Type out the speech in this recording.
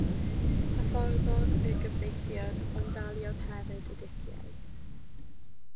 Hyfforddodd yn gyfreithiwr, ond daliodd hefyd y diciâu.